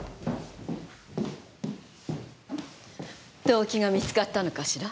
動機が見つかったのかしら？